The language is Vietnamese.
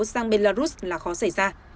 sang belarus là khó xảy ra